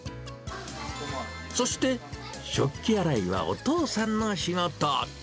そして、食器洗いはお父さんの仕事。